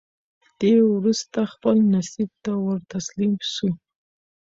هفتې وورسته خپل نصیب ته ورتسلیم سو